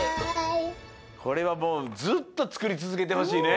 これはもうずっとつくりつづけてほしいね。